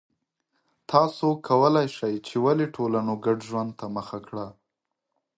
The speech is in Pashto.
تاسو کولای شئ چې ولې ټولنو ګډ ژوند ته مخه کړه